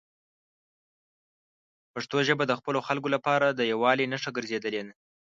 پښتو ژبه د خپلو خلکو لپاره د یووالي نښه ګرځېدلې ده.